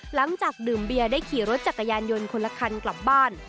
หลังจากดื่มเบียร์ได้ขี่รถจักรยานยนต์คนละคันกลับบ้าน